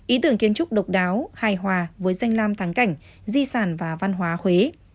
ý tưởng kiến trúc độc đáo hài hòa với danh lam thắng cảnh di sản và văn hóa huế